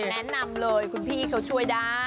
แนะนำเลยคุณพี่เขาช่วยได้